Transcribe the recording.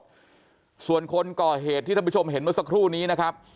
เลือดเต็มไปหมดส่วนคนก่อเหตุที่ท่านผู้ชมเห็นเมื่อสักครู่นี้นะครับ